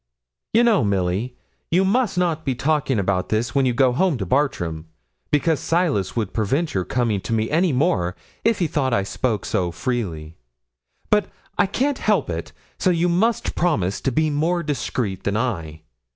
'You know, Milly, you must not be talking about this when you go home to Bartram, because Silas would prevent your coming to me any more if he thought I spoke so freely; but I can't help it: so you must promise to be more discreet than I.